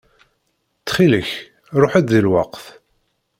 Ttxil-k ṛuḥ-d di lweqt.